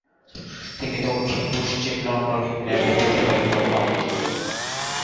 তিনি দক্ষিণ পশ্চিম লন্ডন, ইংল্যান্ডে প্রতিপালিত হন।